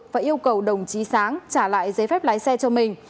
và yêu cầu đồng chí sáng trả lại giấy phép lái xe cho mình